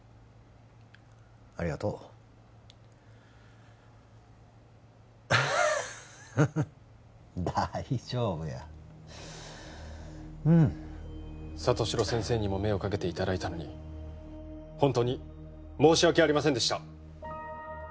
ありがとう大丈夫やうん里城先生にも目をかけていただいたのに本当に申し訳ありませんでした